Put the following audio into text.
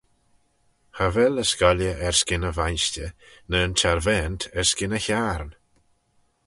Cha vel y scoillar erskyn e vainshter ny'n charvaant erskyn e hiarn.